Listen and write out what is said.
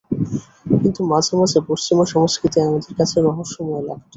কিন্তু মাঝে মাঝে পশ্চিমা সংস্কৃতি আমার কাছে রহস্যময় লাগতো।